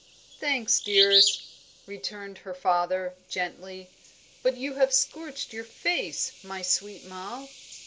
"Thanks, dearest," returned her father, gently; "but you have scorched your face, my sweet Moll."